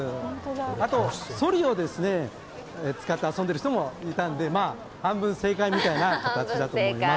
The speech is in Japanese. あと、そりを使って遊んでいる人もいたんで半分正解みたいな形だと思います。